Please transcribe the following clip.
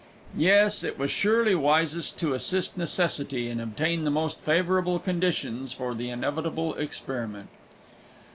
Yes, it was surely wisest to assist necessity, and obtain the most favourable conditions for the inevitable experiment.